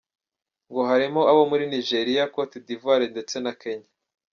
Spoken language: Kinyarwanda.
Ngo harimo abo muri Nigeria, Cote d’Ivoire ndetse na Kenya.